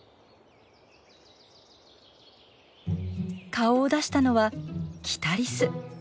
顔を出したのはキタリス。